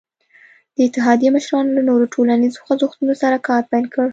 د اتحادیې مشرانو له نورو ټولنیزو خوځښتونو سره کار پیل کړ.